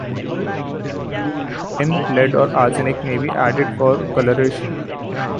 Tin, lead or arsenic may be added for colouration.